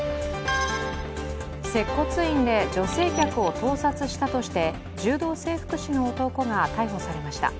接骨院で女性客を盗撮したとして柔道整復師の男が逮捕されました。